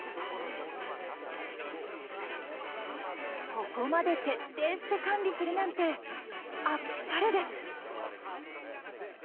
ここまで徹底して管理するなんてあっぱれです！